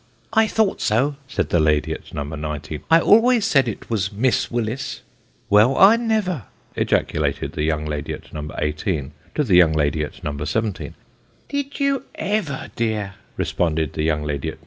" I thought so," said the lady at No. 19 ; "I always said it was Miss Willis !"" Well, I never!" ejaculated the young lady at No. 18 to the young lady at No. 17. "Did you ever, dear? " responded the young lady at No.